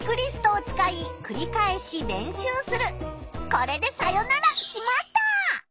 これでさよなら「しまった！」。